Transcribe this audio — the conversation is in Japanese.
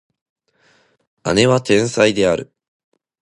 姉は天才である